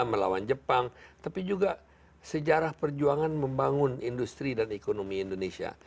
melawan jepang tapi juga sejarah perjuangan membangun industri dan ekonomi indonesia